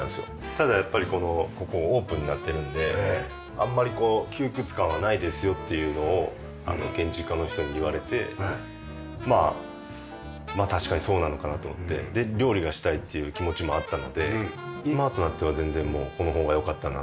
ただやっぱりこのここオープンになってるのであんまり窮屈感はないですよっていうのを建築家の人に言われてまあ確かにそうなのかなと思ってで料理がしたいっていう気持ちもあったので今となっては全然この方が良かったなっていう。